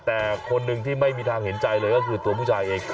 แต่คนหนึ่งที่ไม่มีทางเห็นใจเลยก็คือตัวผู้ชายเอง